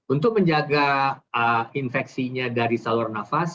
untuk menjaga infeksinya dari saluran nafas